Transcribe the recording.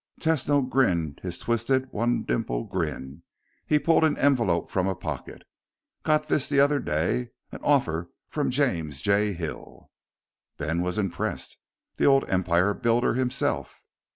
Tesno grinned his twisted, one dimple grin. He pulled an envelope from a pocket. "Got this the other day. An offer from James J. Hill." Ben was impressed. "The old Empire Builder himself?"